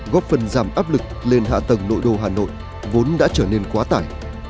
góp phần giảm áp lực lên hạ tầng nội đô hà nội vốn đã trở nên quá tải